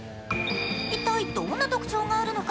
一体、どんな特徴があるのか？